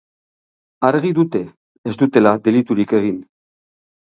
Argi dute ez dutela deliturik egin.